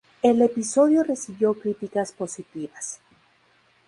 El episodio recibió críticas positivas.